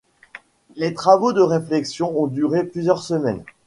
Les travaux de réfection ont duré plusieurs semaines.